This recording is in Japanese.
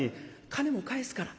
金も返すから。